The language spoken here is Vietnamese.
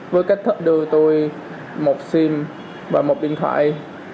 với cách thức đưa tôi một sim và một điện thoại